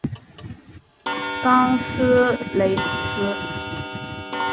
冈萨雷斯。